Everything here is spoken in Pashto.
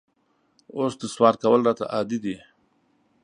اوس نسوار کول راته عادي دي